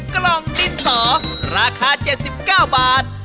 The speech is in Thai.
กล่องดินสอราคา๗๙บาท